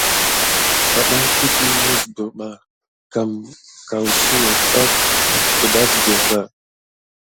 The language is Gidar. Awfaɗan təkiy nasbər ɓa kam kawusa pak gedasbirba.